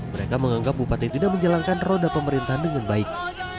mereka menganggap bupati tidak menjalankan roda pemerintahan dengan baik